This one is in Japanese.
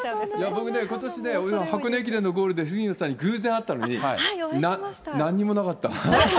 僕ね、ことしね、箱根駅伝のゴールで杉野さんに偶然会ったのに、なんにもなかった。